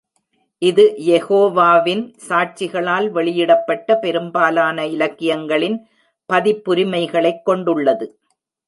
இது யெகோவாவின் சாட்சிகளால் வெளியிடப்பட்ட பெரும்பாலான இலக்கியங்களின் பதிப்புரிமைகளைக் கொண்டுள்ளது.